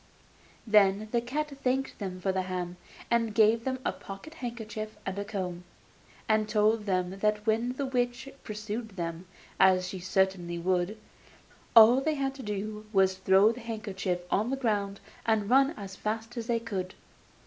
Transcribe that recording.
Then the cat thanked them for the ham, and gave them a pocket handkerchief and a comb, and told them that when the witch pursued them, as she certainly would, all they had to do was to throw the handkerchief on the ground and run as fast as they could.